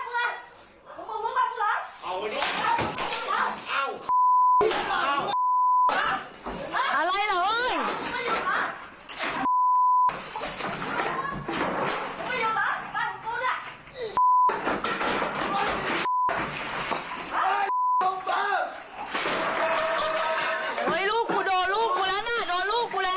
เฮ้ยลูกกูโดนลูกกูแล้วน่ะโดนลูกกูแล้ว